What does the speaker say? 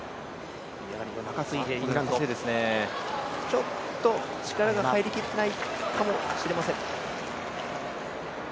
ちょっと力が入りきっていないかもしれません。